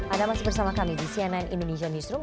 anda masih bersama kami di cnn indonesia newsroom